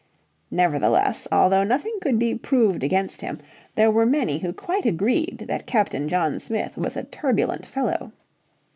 Nevertheless, although nothing could be proved against him, there were many who quite agreed that Captain John Smith was a turbulent fellow.